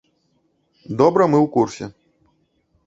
Добра мы ў курсе.